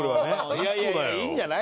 いやいやいやいいんじゃない？